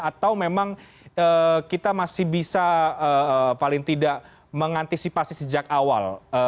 atau memang kita masih bisa paling tidak mengantisipasi sejak awal